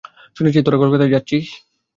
শুনছি তোরা কাল কলকাতায় যাচ্ছিস।